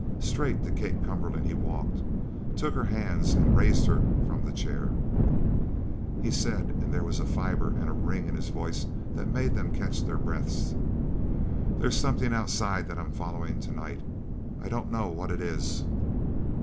Straight to Kate Cumberland he walked, took her hands, and raised her from the chair. He said, and there was a fibre and ring in his voice that made them catch their breaths: "There's something outside that I'm following to night. I don't know what it is.